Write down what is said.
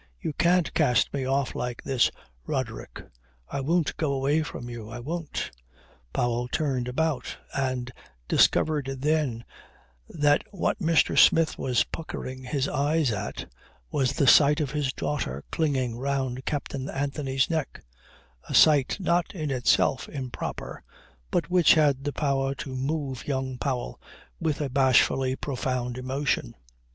"You can't cast me off like this, Roderick. I won't go away from you. I won't " Powell turned about and discovered then that what Mr. Smith was puckering his eyes at, was the sight of his daughter clinging round Captain Anthony's neck a sight not in itself improper, but which had the power to move young Powell with a bashfully profound emotion.